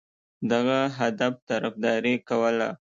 دغه هدف طرفداري کوله.